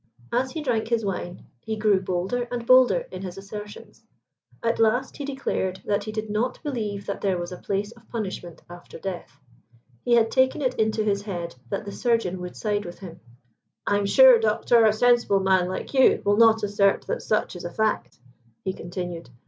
As he drank his wine he grew bolder and bolder in his assertions. At last he declared that he did not believe that there was a place of punishment after death. He had taken it into his head that the surgeon would side with him. "I'm sure, doctor, a sensible man like you will not assert that such is a fact?" he continued.